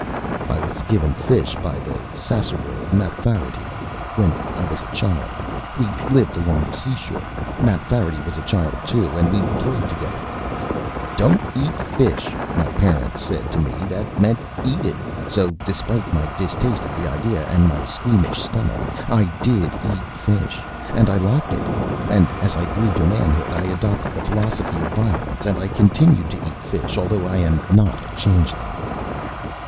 "I was given fish by the Ssassaror, Mapfarity, when I was a child. We lived along the sea shore. Mapfarity was a child, too, and we played together. Don't eat fish!' my parents said. To me that meant 'Eat it!' So, despite my distaste at the idea, and my squeamish stomach, I did eat fish. And I liked it. And as I grew to manhood I adopted the Philosophy of Violence and I continued to eat fish although I am not a Changeling."